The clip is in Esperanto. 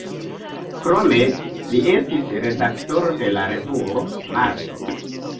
Krome li estis redaktoro de la revuo „Marto“.